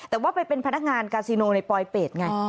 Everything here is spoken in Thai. แต่ว่าไปเป็นพนักงานกาซิโนในปลอยเป็ดไง